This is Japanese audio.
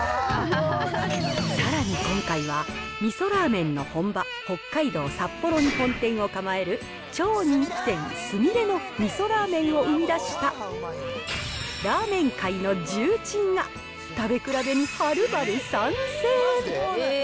さらに今回は、味噌ラーメンの本場、北海道札幌に本店を構える超人気店、すみれの味噌ラーメンを生み出した、ラーメン界の重鎮が、食べ比べにはるばる参戦。